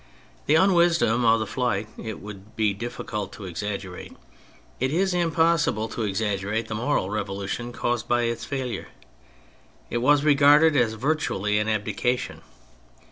The unwisdom of the flight it would be difficult to exaggerate : it is impossible to exaggerate the moral revolution caused by its failure. It was re garded as virtually an abdication.